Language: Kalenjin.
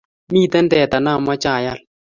miten teta namache ayal